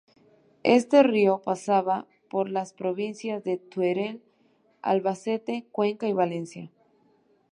Este río pasa por las provincias de Teruel, Albacete, Cuenca y Valencia.